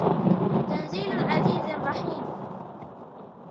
تَنْزِيلَ الْعَزِيزِ الرَّحِيمِ